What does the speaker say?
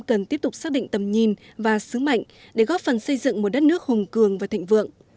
cần tiếp tục xác định tầm nhìn và sứ mệnh để góp phần xây dựng một đất nước hùng cường và thịnh vượng